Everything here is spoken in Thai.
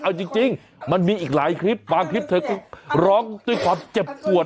เอาจริงมันมีอีกหลายคลิปบางคลิปเธอก็ร้องด้วยความเจ็บปวด